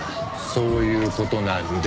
そういう事なんで。